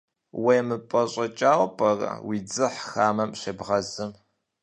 УемыпӀэщӀэкӀауэ пӀэрэ, уи дзыхь хамэм щебгъэзым?